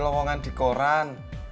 lohongan di koran